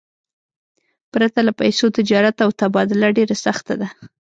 پرته له پیسو، تجارت او تبادله ډېره سخته ده.